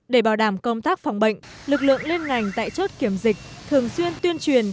để bảo đảm công tác phòng bệnh lực lượng lên ngành tại chốt kiểm dịch thường xuyên tuyên truyền